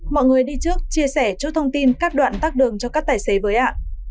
mọi người đi trước chia sẻ chút thông tin các đoạn tác đường cho các tài xế với ạ